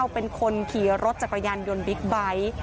เป็นคนขี่รถจักรยานยนต์บิ๊กไบท์